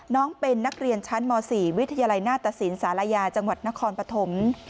น้องเป็นนักเรียนชั้นม๔วิทยาลัยหน้าตสินศาลายาจังหวัดนครปฐม